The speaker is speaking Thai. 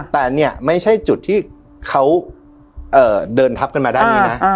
แต่เนี่ยไม่ใช่จุดที่เขาเดินทับกันมาด้านนี้นะ